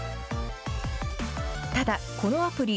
ただ、このアプリ、